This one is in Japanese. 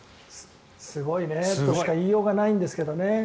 すごいねとしか言いようがないんですけどね。